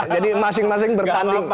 jadi masing masing bertanding